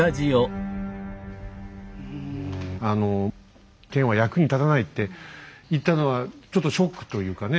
あの剣は役に立たないって言ったのはちょっとショックというかね